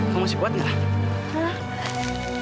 kamu masih puat gak